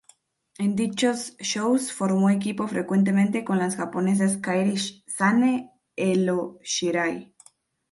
En dichos shows formó equipo frecuentemente con las japonesas Kairi Sane e Io Shirai.